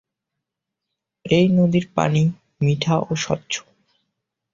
এই নদীর পানি মিঠা ও স্বচ্ছ।